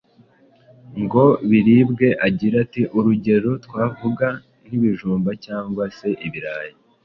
ngo biribwe agira ati:”Urugero twavuga nk’ibijumba cyangwa se ibirayi.